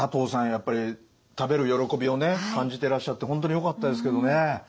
やっぱり食べる喜びを感じてらっしゃって本当によかったですけどね。